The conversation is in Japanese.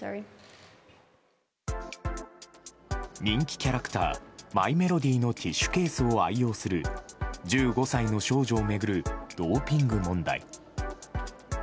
人気キャラクターマイメロディのティッシュケースを愛用する１５歳の少女を巡るドーピング問題。